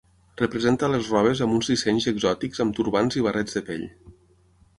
Representa les robes amb uns dissenys exòtics amb turbants i barrets de pell.